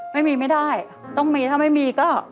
ไม่ได้ต้องมีถ้าไม่มีก็